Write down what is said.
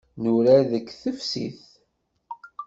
Nurar deg teftist.